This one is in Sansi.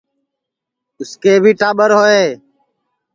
اُسکے بھی ٹاٻر ہوئے